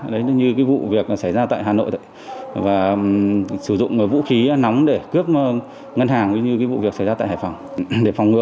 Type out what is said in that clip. đấy như vụ việc xảy ra tại hà nội sử dụng vũ khí nóng để cướp ngân hàng như vụ việc xảy ra tại hải phòng